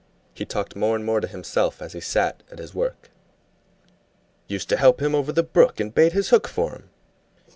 He talked more and more to himself as he sat at his work. "Used to help him over the brook and bait his hook for him.